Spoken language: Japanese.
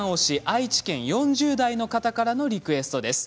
愛知県４０代の方からのリクエストです。